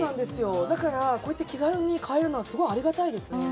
だから、こうやって気軽に買えるのはすごくありがたいですね。